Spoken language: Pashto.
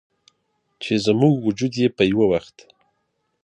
چې زموږ وجود یې په یوه وخت